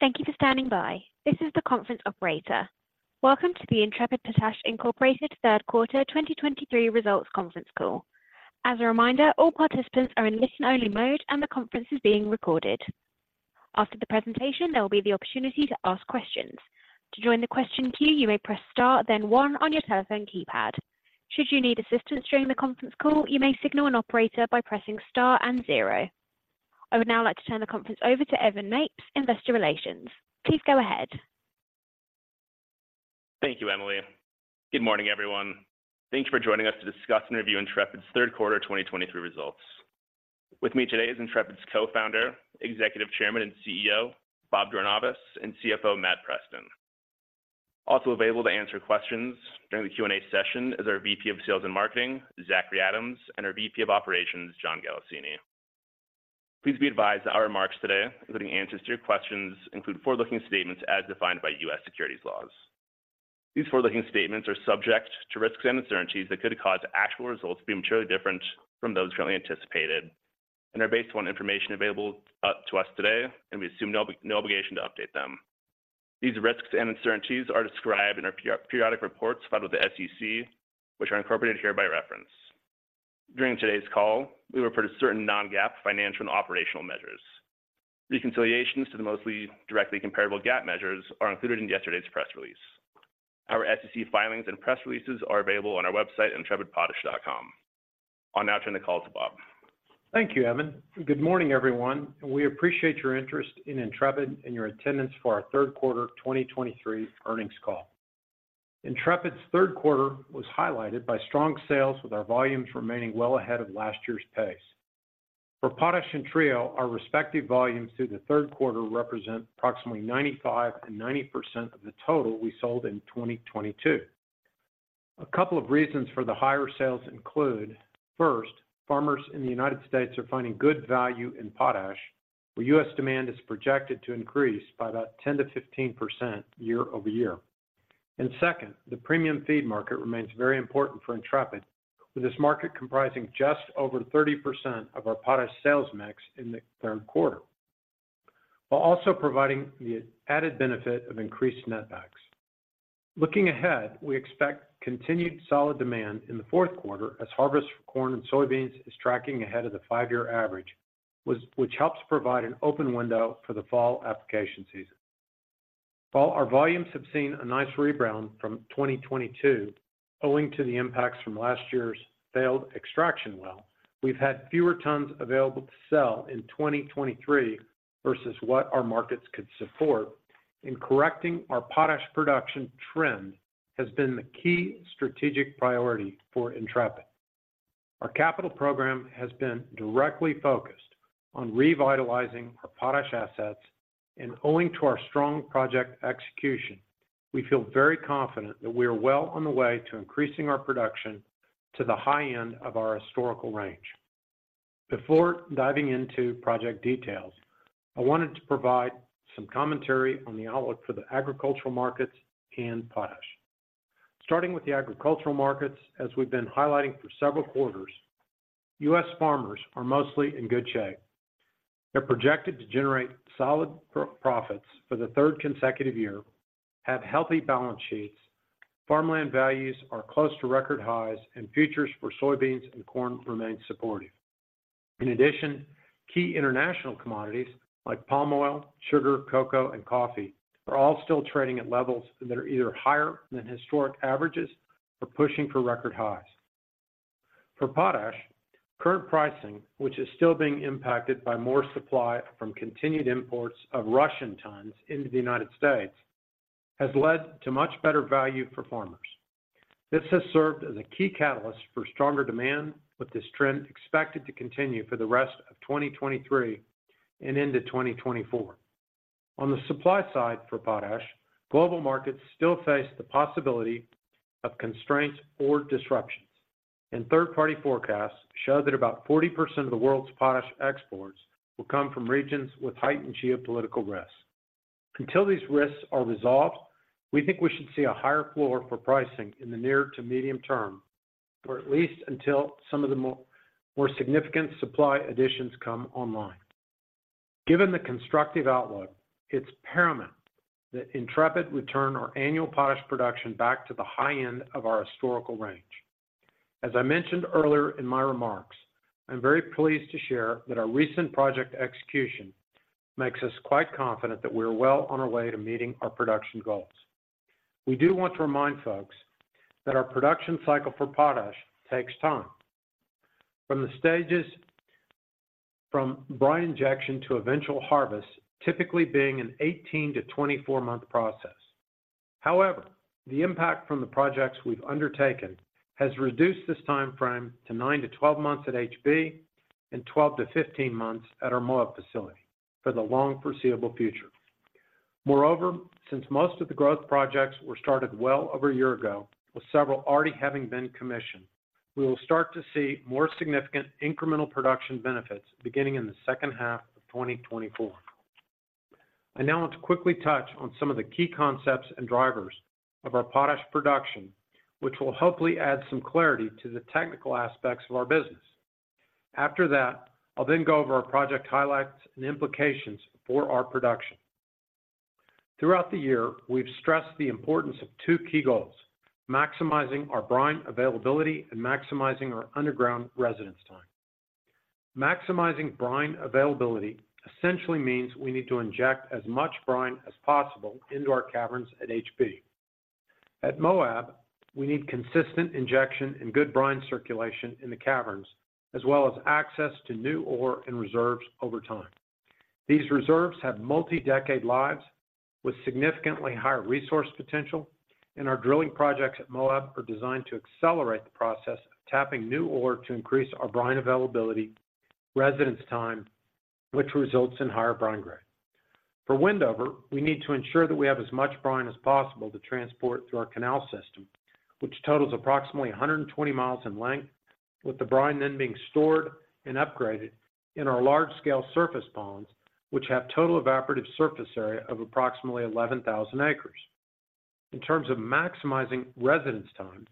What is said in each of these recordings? Thank you for standing by. This is the conference operator. Welcome to the Intrepid Potash Incorporated Third Quarter 2023 Results Conference Call. As a reminder, all participants are in listen-only mode, and the conference is being recorded. After the presentation, there will be the opportunity to ask questions. To join the question queue, you may press star, then one on your telephone keypad. Should you need assistance during the conference call, you may signal an operator by pressing star and zero. I would now like to turn the conference over to Evan Mapes, Investor Relations. Please go ahead. Thank you, Emily. Good morning, everyone. Thank you for joining us to discuss and review Intrepid's Third Quarter 2023 results. With me today is Intrepid's Co-founder, Executive Chairman, and CEO, Bob Jornayvaz, and CFO, Matt Preston. Also available to answer questions during the Q&A session is our VP of Sales and Marketing, Zachry Adams, and our VP of Operations, John Galassini. Please be advised that our remarks today, including answers to your questions, include forward-looking statements as defined by U.S. securities laws. These forward-looking statements are subject to risks and uncertainties that could cause actual results to be materially different from those currently anticipated and are based on information available to us today, and we assume no obligation to update them. These risks and uncertainties are described in our periodic reports filed with the SEC, which are incorporated here by reference. During today's call, we report a certain non-GAAP financial and operational measures. Reconciliations to the mostly directly comparable GAAP measures are included in yesterday's press release. Our SEC filings and press releases are available on our website, intrepidpotash.com. I'll now turn the call to Bob. Thank you, Evan. Good morning, everyone, and we appreciate your interest in Intrepid and your attendance for our third quarter 2023 earnings call. Intrepid's third quarter was highlighted by strong sales, with our volumes remaining well ahead of last year's pace. For Potash and Trio, our respective volumes through the third quarter represent approximately 95% and 90% of the total we sold in 2022. A couple of reasons for the higher sales include, first, farmers in the United States are finding good value in potash, where U.S. demand is projected to increase by about 10%-15% year-over-year. And second, the premium feed market remains very important for Intrepid, with this market comprising just over 30% of our potash sales mix in the third quarter, while also providing the added benefit of increased netbacks. Looking ahead, we expect continued solid demand in the fourth quarter as harvest for corn and soybeans is tracking ahead of the five-year average, which helps provide an open window for the fall application season. While our volumes have seen a nice rebound from 2022, owing to the impacts from last year's failed extraction well, we've had fewer tons available to sell in 2023 versus what our markets could support, and correcting our potash production trend has been the key strategic priority for Intrepid. Our capital program has been directly focused on revitalizing our potash assets, and owing to our strong project execution, we feel very confident that we are well on the way to increasing our production to the high end of our historical range. Before diving into project details, I wanted to provide some commentary on the outlook for the agricultural markets and potash. Starting with the agricultural markets, as we've been highlighting for several quarters, U.S. farmers are mostly in good shape. They're projected to generate solid profits for the third consecutive year, have healthy balance sheets, farmland values are close to record highs, and futures for soybeans and corn remain supportive. In addition, key international commodities like palm oil, sugar, cocoa, and coffee are all still trading at levels that are either higher than historic averages or pushing for record highs. For potash, current pricing, which is still being impacted by more supply from continued imports of Russian tons into the United States, has led to much better value for farmers. This has served as a key catalyst for stronger demand, with this trend expected to continue for the rest of 2023 and into 2024. On the supply side for potash, global markets still face the possibility of constraints or disruptions, and third-party forecasts show that about 40% of the world's potash exports will come from regions with heightened geopolitical risks. Until these risks are resolved, we think we should see a higher floor for pricing in the near to medium term, or at least until some of the more, more significant supply additions come online. Given the constructive outlook, it's paramount that Intrepid would turn our annual potash production back to the high end of our historical range. As I mentioned earlier in my remarks, I'm very pleased to share that our recent project execution makes us quite confident that we are well on our way to meeting our production goals. We do want to remind folks that our production cycle for potash takes time, from the stages from brine injection to eventual harvest, typically being an 18- to 24-month process. However, the impact from the projects we've undertaken has reduced this timeframe to 9-12 months at HB and 12-15 months at our Moab facility for the long foreseeable future. Moreover, since most of the growth projects were started well over a year ago, with several already having been commissioned, we will start to see more significant incremental production benefits beginning in the second half of 2024. I now want to quickly touch on some of the key concepts and drivers of our potash production, which will hopefully add some clarity to the technical aspects of our business. After that, I'll then go over our project highlights and implications for our production. Throughout the year, we've stressed the importance of two key goals: maximizing our brine availability and maximizing our underground residence time. Maximizing brine availability essentially means we need to inject as much brine as possible into our caverns at HB. At Moab, we need consistent injection and good brine circulation in the caverns, as well as access to new ore and reserves over time. These reserves have multi-decade lives, with significantly higher resource potential, and our drilling projects at Moab are designed to accelerate the process of tapping new ore to increase our brine availability, residence time, which results in higher brine grade. For Wendover, we need to ensure that we have as much brine as possible to transport through our canal system, which totals approximately 120 mi in length, with the brine then being stored and upgraded in our large-scale surface ponds, which have total evaporative surface area of approximately 11,000 acres. In terms of maximizing residence time,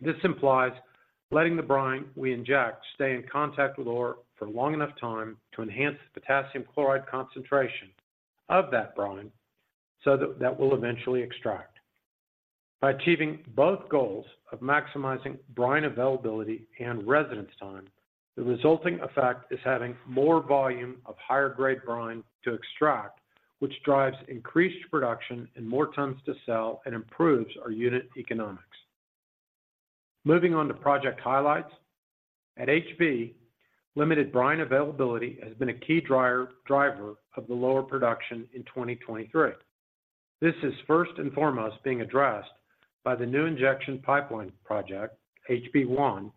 this implies letting the brine we inject stay in contact with ore for a long enough time to enhance the potassium chloride concentration of that brine so that, that will eventually extract. By achieving both goals of maximizing brine availability and residence time, the resulting effect is having more volume of higher grade brine to extract, which drives increased production and more tons to sell, and improves our unit economics. Moving on to project highlights. At HB, limited brine availability has been a key driver of the lower production in 2023. This is first and foremost being addressed by the new injection pipeline project, HB 1.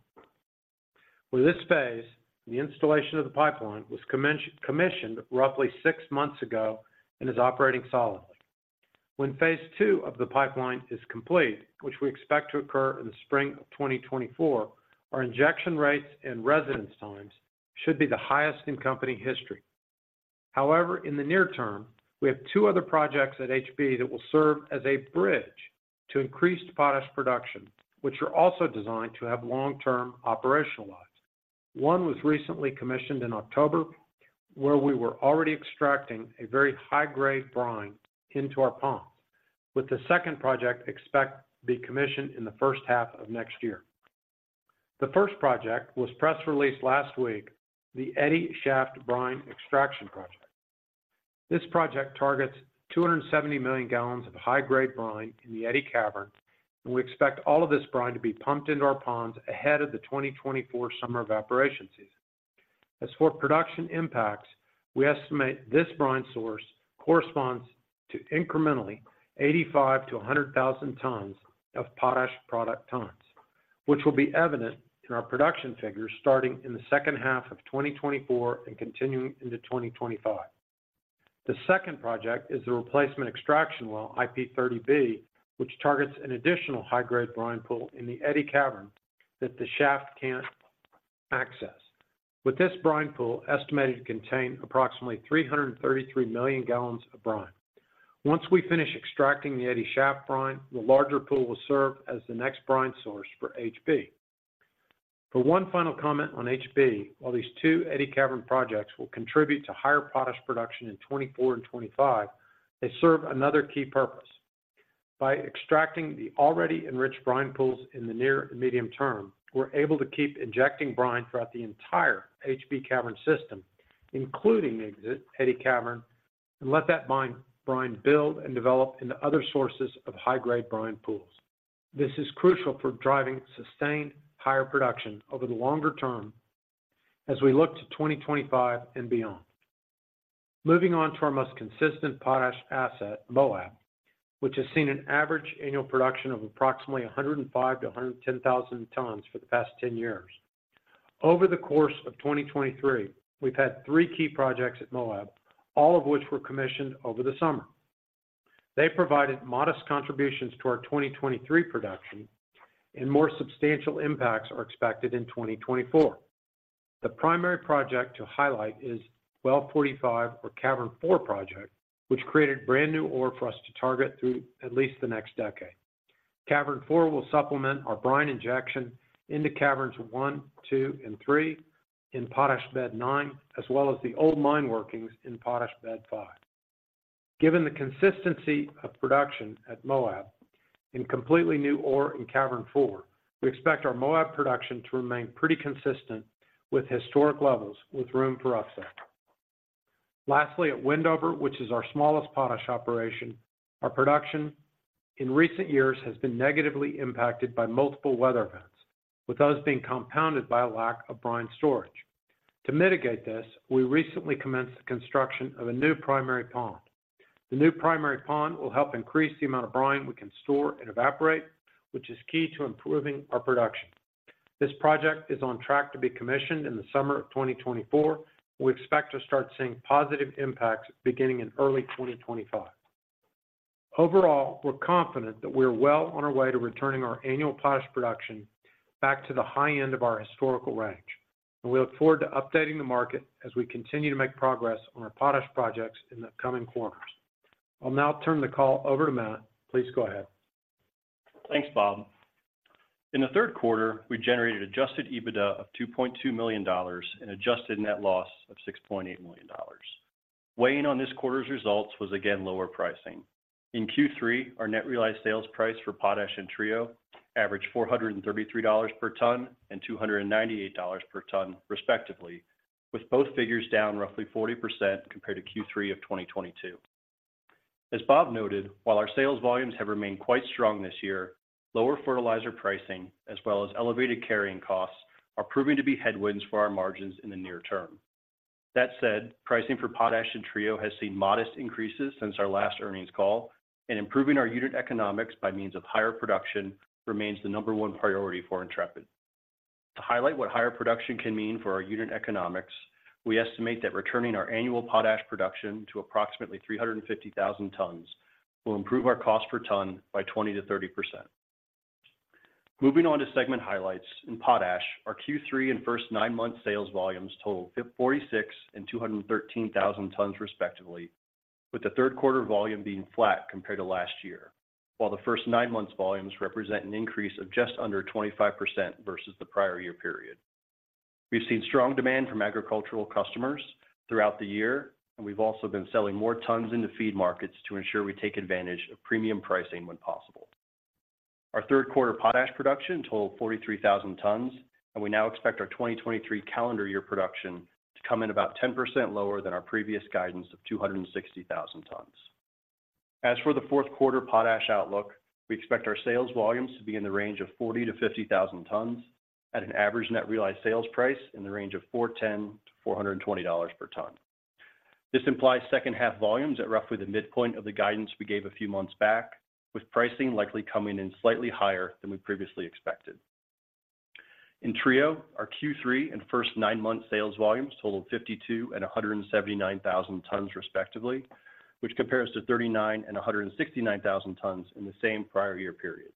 With this phase, the installation of the pipeline was commissioned roughly six months ago and is operating solidly. When phase II of the pipeline is complete, which we expect to occur in the spring of 2024, our injection rates and residence times should be the highest in company history. However, in the near term, we have two other projects at HB that will serve as a bridge to increased potash production, which are also designed to have long-term operational lives. One was recently commissioned in October, where we were already extracting a very high-grade brine into our ponds, with the second project expected to be commissioned in the first half of next year. The first project was press released last week, the Eddy Shaft Brine Extraction Project. This project targets 270 million gallons of high-grade brine in the Eddy Cavern, and we expect all of this brine to be pumped into our ponds ahead of the 2024 Summer Evaporation Season. As for production impacts, we estimate this brine source corresponds to incrementally 85,000-100,000 tons of potash product tons, which will be evident in our production figures starting in the second half of 2024 and continuing into 2025. The second project is the Replacement Extraction Well, IP30B, which targets an additional high-grade brine pool in the Eddy Cavern that the shaft can't access. With this brine pool estimated to contain approximately 333 million gal of brine. Once we finish extracting the Eddy Shaft brine, the larger pool will serve as the next brine source for HB. For one final comment on HB, while these two Eddy Cavern projects will contribute to higher potash production in 2024 and 2025, they serve another key purpose. By extracting the already enriched brine pools in the near and medium term, we're able to keep injecting brine throughout the entire HB cavern system, including the exit Eddy Cavern, and let that mine brine build and develop into other sources of high-grade brine pools. This is crucial for driving sustained higher production over the longer term as we look to 2025 and beyond. Moving on to our most consistent potash asset, Moab, which has seen an average annual production of approximately 105,000-110,000 tons for the past 10 years. Over the course of 2023, we've had three key projects at Moab, all of which were commissioned over the summer. They provided modest contributions to our 2023 production, and more substantial impacts are expected in 2024. The primary project to highlight is Well 45 or Cavern 4 project, which created brand new ore for us to target through at least the next decade. Cavern 4 will supplement our brine injection into caverns 1, 2, and 3 in Potash Bed 9, as well as the old mine workings in Potash Bed 5. Given the consistency of production at Moab in completely new ore in Cavern 4, we expect our Moab production to remain pretty consistent with historic levels, with room for upset. Lastly, at Wendover, which is our smallest potash operation, our production in recent years has been negatively impacted by multiple weather events, with those being compounded by a lack of brine storage. To mitigate this, we recently commenced the construction of a new primary pond. The new primary pond will help increase the amount of brine we can store and evaporate, which is key to improving our production. This project is on track to be commissioned in the summer of 2024. We expect to start seeing positive impacts beginning in early 2025. Overall, we're confident that we're well on our way to returning our annual potash production back to the high end of our historical range, and we look forward to updating the market as we continue to make progress on our potash projects in the coming quarters. I'll now turn the call over to Matt. Please go ahead.... Thanks, Bob. In the third quarter, we generated Adjusted EBITDA of $2.2 million and adjusted net loss of $6.8 million. Weighing on this quarter's results was, again, lower pricing. In Q3, our net realized sales price for Potash and Trio averaged $433 per ton and $298 per ton respectively, with both figures down roughly 40% compared to Q3 of 2022. As Bob noted, while our sales volumes have remained quite strong this year, lower fertilizer pricing, as well as elevated carrying costs, are proving to be headwinds for our margins in the near term. That said, pricing for potash and Trio has seen modest increases since our last earnings call, and improving our unit economics by means of higher production remains the number one priority for Intrepid. To highlight what higher production can mean for our unit economics, we estimate that returning our annual potash production to approximately 350,000 tons will improve our cost per ton by 20%-30%. Moving on to segment highlights. In potash, our Q3 and first nine months sales volumes totaled 46,000 and 213,000 tons respectively, with the third quarter volume being flat compared to last year, while the first nine months volumes represent an increase of just under 25% versus the prior year period. We've seen strong demand from agricultural customers throughout the year, and we've also been selling more tons into feed markets to ensure we take advantage of premium pricing when possible. Our third quarter potash production totaled 43,000 tons, and we now expect our 2023 calendar year production to come in about 10% lower than our previous guidance of 260,000 tons. As for the fourth quarter potash outlook, we expect our sales volumes to be in the range of 40,000-50,000 tons at an average net realized sales price in the range of $410-$420 per ton. This implies second half volumes at roughly the midpoint of the guidance we gave a few months back, with pricing likely coming in slightly higher than we previously expected. In Trio, our Q3 and first nine months sales volumes totaled 52,000 and 179,000 tons respectively, which compares to 39,000 and 169,000 tons in the same prior year periods.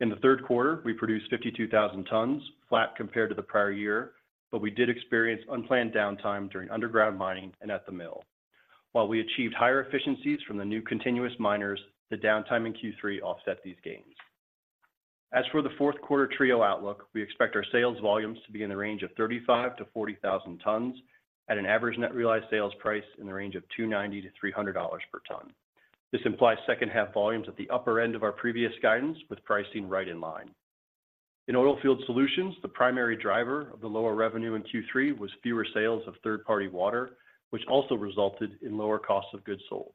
In the third quarter, we produced 52,000 tons, flat compared to the prior year, but we did experience unplanned downtime during underground mining and at the mill. While we achieved higher efficiencies from the new continuous miners, the downtime in Q3 offset these gains. As for the fourth quarter Trio outlook, we expect our sales volumes to be in the range of 35,000-40,000 tons at an average net realized sales price in the range of $290-$300 per ton. This implies second half volumes at the upper end of our previous guidance, with pricing right in line. In Oilfield Solutions, the primary driver of the lower revenue in Q3 was fewer sales of third-party water, which also resulted in lower costs of goods sold.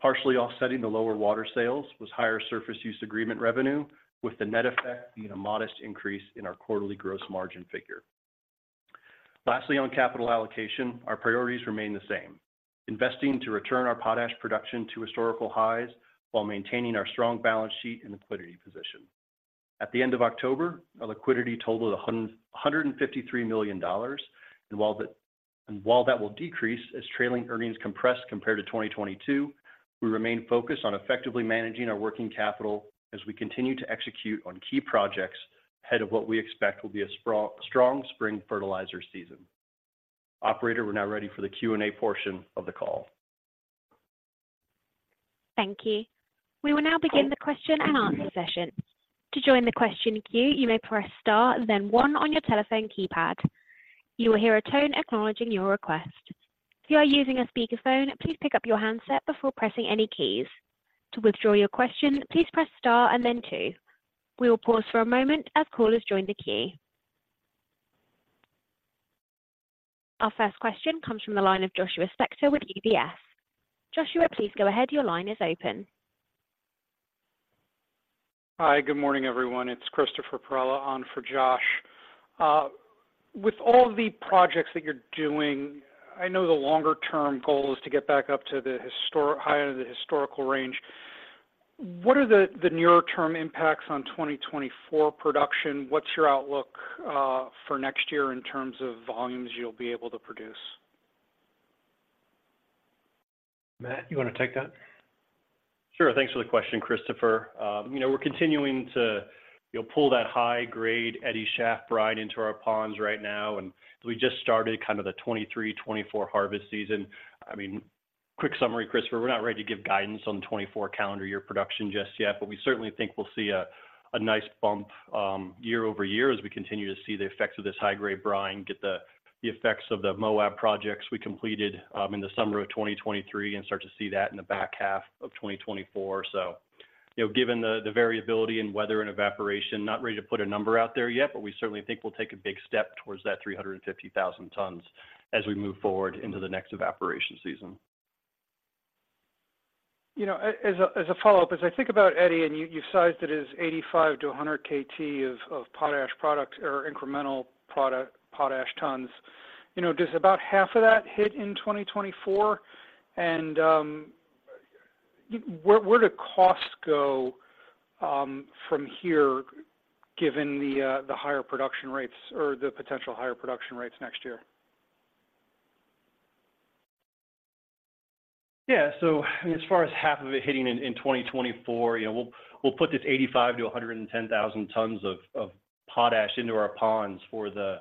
Partially offsetting the lower water sales was higher surface use agreement revenue, with the net effect being a modest increase in our quarterly gross margin figure. Lastly, on capital allocation, our priorities remain the same: investing to return our potash production to historical highs while maintaining our strong balance sheet and liquidity position. At the end of October, our liquidity totaled $153 million. And while that, and while that will decrease as trailing earnings compress compared to 2022, we remain focused on effectively managing our working capital as we continue to execute on key projects ahead of what we expect will be a strong spring fertilizer season. Operator, we're now ready for the Q&A portion of the call. Thank you. We will now begin the question and answer session. To join the question queue, you may press star, then one on your telephone keypad. You will hear a tone acknowledging your request. If you are using a speakerphone, please pick up your handset before pressing any keys. To withdraw your question, please press star and then two. We will pause for a moment as callers join the queue. Our first question comes from the line of Joshua Spector with UBS. Joshua, please go ahead. Your line is open. Hi, good morning, everyone. It's Christopher Perrella on for Josh. With all the projects that you're doing, I know the longer-term goal is to get back up to the higher the historical range. What are the nearer term impacts on 2024 production? What's your outlook for next year in terms of volumes you'll be able to produce? Matt, you wanna take that? Sure. Thanks for the question, Christopher. You know, we're continuing to, you know, pull that high-grade Eddy Shaft brine into our ponds right now, and we just started kind of the 2023-2024 harvest season. I mean, quick summary, Christopher, we're not ready to give guidance on 2024 calendar year production just yet, but we certainly think we'll see a nice bump, year-over-year as we continue to see the effects of this high-grade brine, get the effects of the Moab projects we completed, in the summer of 2023 and start to see that in the back half of 2024. So, you know, given the variability in weather and evaporation, not ready to put a number out there yet, but we certainly think we'll take a big step towards that 350,000 tons as we move forward into the next evaporation season. You know, as a follow-up, as I think about Eddy, and you sized it as 85-100 KT of potash products or incremental potash tons, you know, does about half of that hit in 2024? Where do costs go from here, given the higher production rates or the potential higher production rates next year? Yeah. So, I mean, as far as half of it hitting in 2024, you know, we'll put this 85,000-110,000 tons of potash into our ponds for the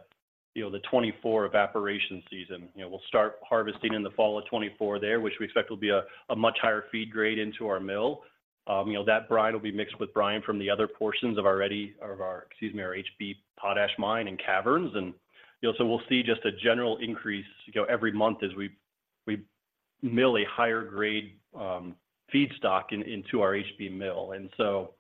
you know, the 2024 evaporation season. You know, we'll start harvesting in the fall of 2024 there, which we expect will be a much higher feed grade into our mill. You know, that brine will be mixed with brine from the other portions of our Eddy, of our, excuse me, our HB Potash mine and caverns. And, you know, so we'll see just a general increase, you know, every month as we mill a higher grade feedstock into our HB mill. And so,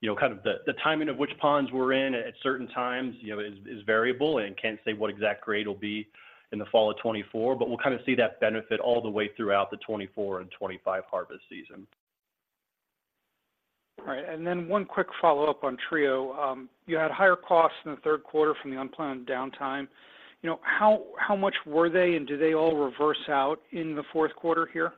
you know, kind of the timing of which ponds we're in at certain times, you know, is variable, and can't say what exact grade it'll be in the fall of 2024, but we'll kind of see that benefit all the way throughout the 2024 and 2025 harvest season. All right. And then one quick follow-up on Trio. You had higher costs in the third quarter from the unplanned downtime. You know, how much were they, and do they all reverse out in the fourth quarter here?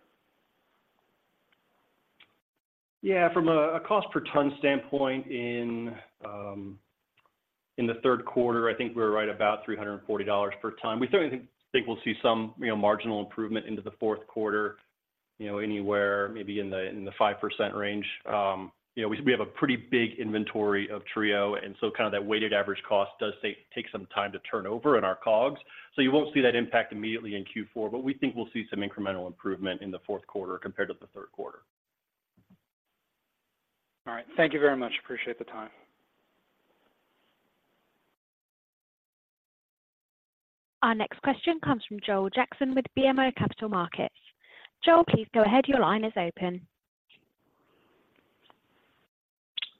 Yeah, from a cost per ton standpoint in the third quarter, I think we were right about $340 per ton. We certainly think we'll see some, you know, marginal improvement into the fourth quarter, you know, anywhere maybe in the 5% range. You know, we have a pretty big inventory of Trio, and so kind of that weighted average cost does take some time to turn over in our COGS. So you won't see that impact immediately in Q4, but we think we'll see some incremental improvement in the fourth quarter compared to the third quarter. All right. Thank you very much. Appreciate the time. Our next question comes from Joel Jackson with BMO Capital Markets. Joel, please go ahead. Your line is open.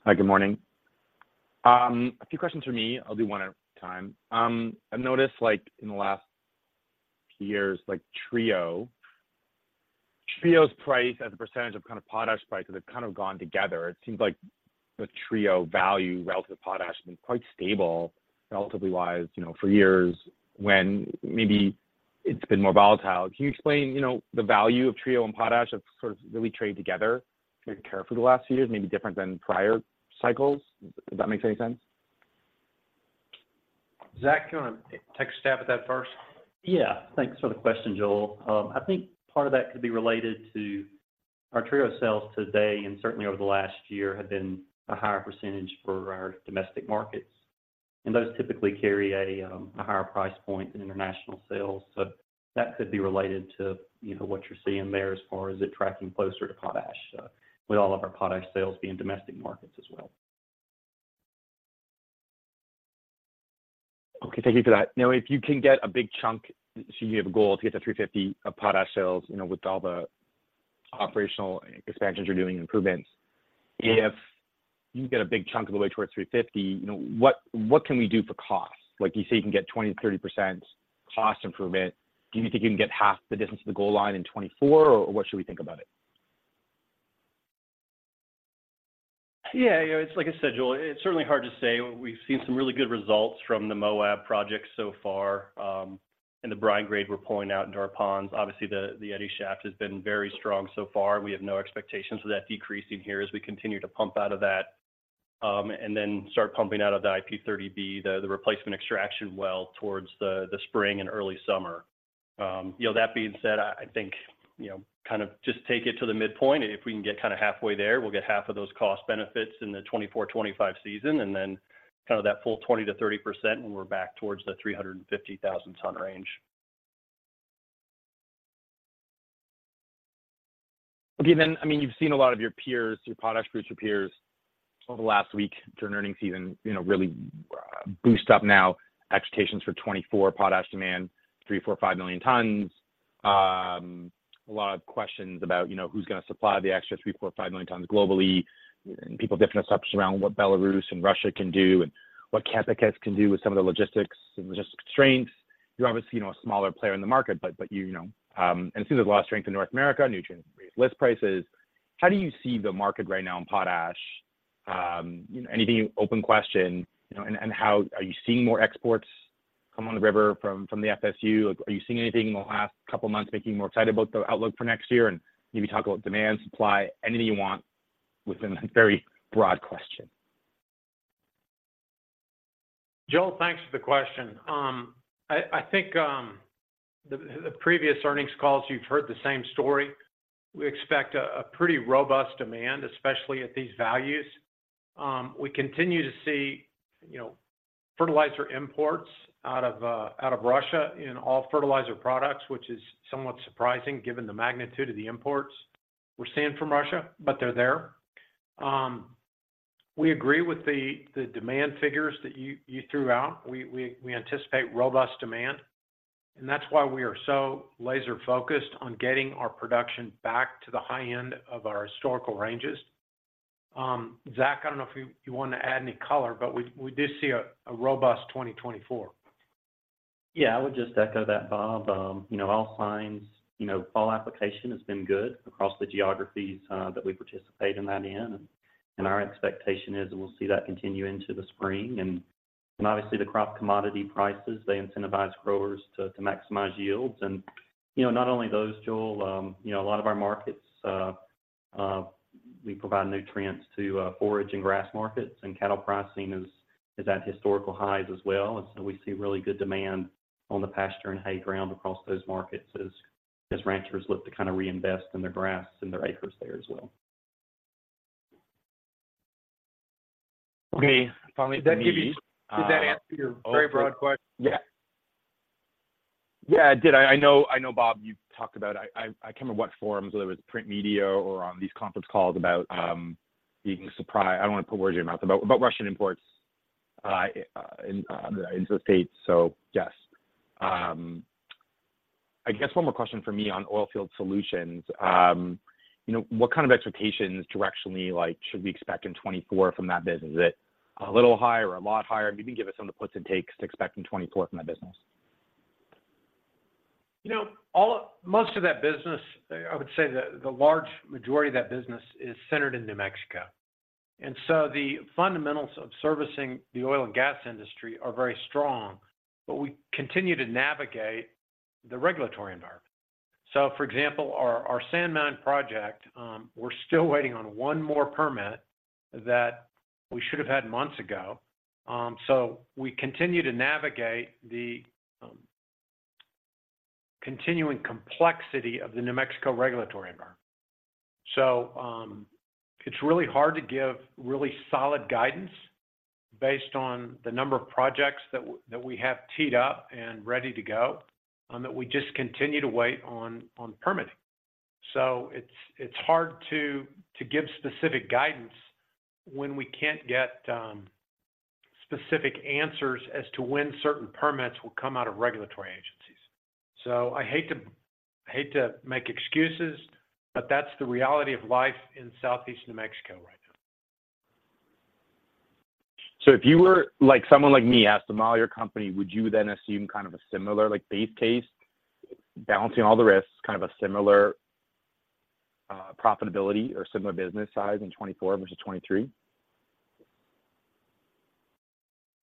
Hi, good morning. A few questions from me. I'll do one at a time. I've noticed, like, in the last few years, like, Trio's price as a percentage of kind of potash prices have kind of gone together. It seems like the Trio value relative to potash has been quite stable, relatively wise, you know, for years when maybe it's been more volatile. Can you explain, you know, the value of Trio and potash have sort of really traded together very carefully the last few years, maybe different than prior cycles? If that makes any sense. Zach, do you want to take a stab at that first? Yeah. Thanks for the question, Joel. I think part of that could be related to our Trio sales today, and certainly over the last year, have been a higher percentage for our domestic markets. And those typically carry a a higher price point than international sales. So that could be related to, you know, what you're seeing there as far as it tracking closer to potash, with all of our potash sales being domestic markets as well. Okay. Thank you for that. Now, if you can get a big chunk, so you have a goal to get to 350 of potash sales, you know, with all the operational expansions you're doing and improvements. If you can get a big chunk of the way towards 350, you know, what, what can we do for cost? Like, you say you can get 20%-30% cost improvement. Do you think you can get half the distance to the goal line in 2024, or what should we think about it? Yeah. You know, it's like I said, Joel, it's certainly hard to say. We've seen some really good results from the Moab project so far, and the brine grade we're pulling out into our ponds. Obviously, the Eddy Shaft has been very strong so far. We have no expectations of that decreasing here as we continue to pump out of that, and then start pumping out of the IP30B, the replacement extraction well towards the spring and early summer. You know, that being said, I think, you know, kind of just take it to the midpoint, and if we can get kinda halfway there, we'll get half of those cost benefits in the 2024, 2025 season, and then kind of that full 20%-30% when we're back towards the 350,000 ton range. Okay, then, I mean, you've seen a lot of your peers, your potash groups, your peers, over the last week during earnings season, you know, really, boost up now expectations for 2024 potash demand, 3, 4, 5 million tons. A lot of questions about, you know, who's gonna supply the extra 3, 4, 5 million tons globally, and people have different assumptions around what Belarus and Russia can do, and what Canpotex can do with some of the logistics and logistics constraints. You're obviously, you know, a smaller player in the market, but, but you, you know. And it seems there's a lot of strength in North America, Nutrien raises list prices. How do you see the market right now in potash? Anything, open question, you know, and, and how are you seeing more exports come on the river from the FSU? Like, are you seeing anything in the last couple of months making you more excited about the outlook for next year? And maybe talk about demand, supply, anything you want within that very broad question. Joel, thanks for the question. I think the previous earnings calls, you've heard the same story. We expect a pretty robust demand, especially at these values. We continue to see, you know, fertilizer imports out of Russia in all fertilizer products, which is somewhat surprising given the magnitude of the imports we're seeing from Russia, but they're there. We agree with the demand figures that you threw out. We anticipate robust demand, and that's why we are so laser focused on getting our production back to the high end of our historical ranges. Zach, I don't know if you want to add any color, but we do see a robust 2024. Yeah, I would just echo that, Bob. You know, all signs, you know, fall application has been good across the geographies that we participate in, and our expectation is we'll see that continue into the spring. And obviously, the crop commodity prices, they incentivize growers to maximize yields. And you know, not only those, Joel, you know, a lot of our markets we provide nutrients to, forage and grass markets, and cattle pricing is at historical highs as well. And so we see really good demand on the pasture and hay ground across those markets as ranchers look to kinda reinvest in their grass and their acres there as well.... Okay, finally, did that give you- Did that answer your very broad question? Yeah. Yeah, it did. I know, Bob, you've talked about—I can't remember what forums, whether it was print media or on these conference calls about being surprised—I don't want to put words in your mouth, about Russian imports into the States. So yes. I guess one more question for me on oil field solutions. You know, what kind of expectations directionally, like, should we expect in 2024 from that business? Is it a little higher or a lot higher? Maybe give us some of the puts and takes to expect in 2024 from that business. You know, almost all of that business, I would say that the large majority of that business is centered in New Mexico. And so the fundamentals of servicing the oil and gas industry are very strong, but we continue to navigate the regulatory environment. So, for example, our Sand Mountain project, we're still waiting on one more permit that we should have had months ago. So we continue to navigate the continuing complexity of the New Mexico regulatory environment. So, it's really hard to give really solid guidance based on the number of projects that we have teed up and ready to go, that we just continue to wait on permitting. So it's hard to give specific guidance when we can't get specific answers as to when certain permits will come out of regulatory agencies. I hate to, I hate to make excuses, but that's the reality of life in Southeast New Mexico right now. So if you were like, someone like me asked to model your company, would you then assume kind of a similar, like, base case, balancing all the risks, kind of a similar profitability or similar business size in 2024 versus 2023?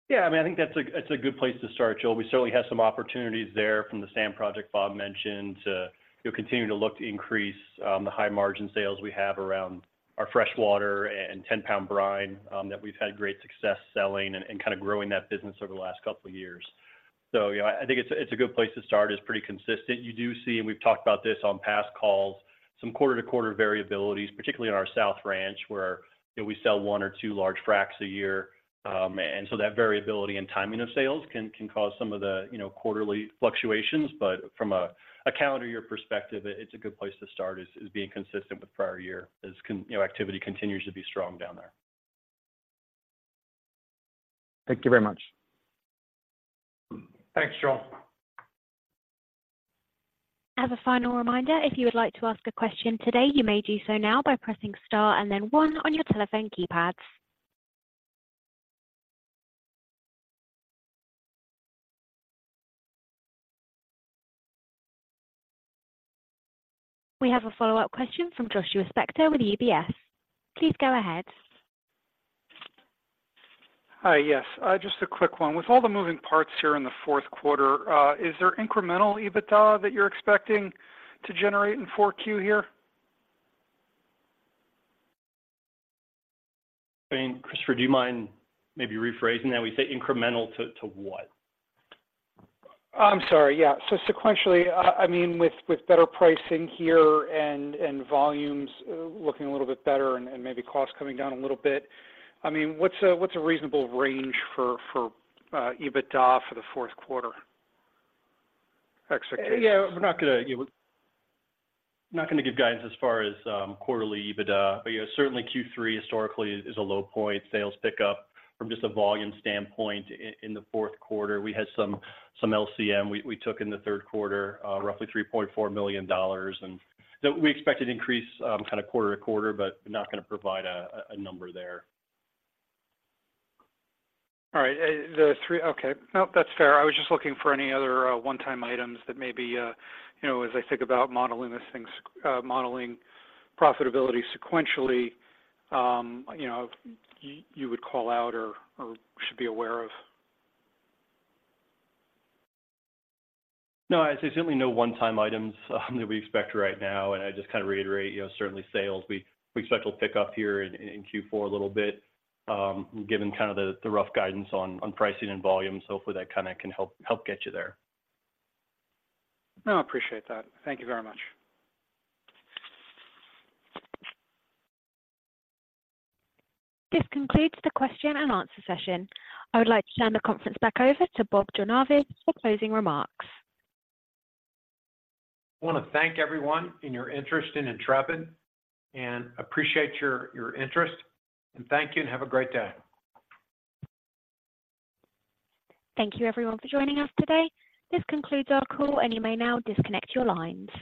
Yeah, I mean, I think that's a good place to start, Joel. We certainly have some opportunities there from the sand project Bob mentioned, to, you know, continue to look to increase the high-margin sales we have around our freshwater and 10-pound brine that we've had great success selling and kind of growing that business over the last couple of years. So, you know, I think it's a good place to start, is pretty consistent. You do see, and we've talked about this on past calls, some quarter-to-quarter variabilities, particularly in our South Ranch, where, you know, we sell one or two large fracs a year. And so that variability and timing of sales can cause some of the, you know, quarterly fluctuations. But from a calendar year perspective, it's a good place to start, is being consistent with prior year, as you know, activity continues to be strong down there. Thank you very much. Thanks, Joel. As a final reminder, if you would like to ask a question today, you may do so now by pressing star and then one on your telephone keypads. We have a follow-up question from Joshua Spector with UBS. Please go ahead. Hi. Yes, just a quick one. With all the moving parts here in the fourth quarter, is there incremental EBITDA that you're expecting to generate in 4Q here? I mean, Christopher, do you mind maybe rephrasing that? We say incremental to, to what? I'm sorry, yeah. So sequentially, I mean, with better pricing here and volumes looking a little bit better and maybe costs coming down a little bit, I mean, what's a reasonable range for EBITDA for the fourth quarter expectation? Yeah, we're not gonna, you know... We're not gonna give guidance as far as quarterly EBITDA, but, yeah, certainly Q3 historically is a low point. Sales pick up from just a volume standpoint in the fourth quarter. We had some LCM we took in the third quarter, roughly $3.4 million, and that we expect an increase kind of quarter to quarter, but we're not gonna provide a number there. All right, Okay. Nope, that's fair. I was just looking for any other, one-time items that maybe, you know, as I think about modeling this thing, modeling profitability sequentially, you know, you, you would call out or, or should be aware of. No, there's certainly no one-time items that we expect right now, and I just kind of reiterate, you know, certainly sales, we expect will pick up here in Q4 a little bit, given kind of the rough guidance on pricing and volume. So hopefully that kind of can help get you there. No, I appreciate that. Thank you very much. This concludes the question and answer session. I would like to turn the conference back over to Bob Jornayvaz for closing remarks. I want to thank everyone for your interest in Intrepid, and appreciate your, your interest, and thank you, and have a great day. Thank you, everyone, for joining us today. This concludes our call, and you may now disconnect your lines.